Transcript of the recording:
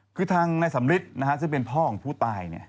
คือทางนายสำริดนะฮะซึ่งเป็นพ่อของผู้ตายเนี่ย